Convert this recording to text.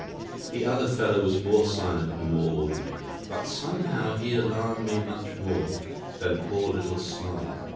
"The other fellow was more silent and more ordinary; but somehow he alarmed me much more than poor little Smythe.